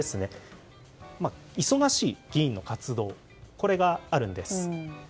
忙しい議員の活動というのがあるんです。